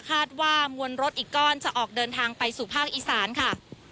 คาดว่ามวลรถอีกก้อนจะออกเดินทางไปสู่ภาคอีสานค่ะ